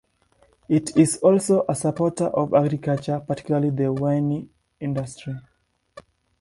It is also a supporter of agriculture, particularly the wine industry.